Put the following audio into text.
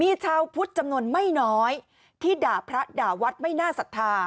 มีชาวพุทธจำนวนไม่น้อยที่ด่าพระด่าวัดไม่น่าศรัทธา